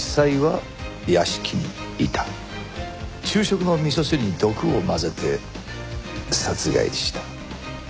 昼食の味噌汁に毒を混ぜて殺害した。